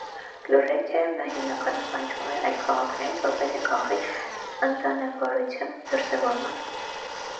Ֆլորենցիայում նա հիմնականում կանչվում էր այլ քաղաքներից, որպեսզի կանխի ընտանեվարության դրսևորմանը։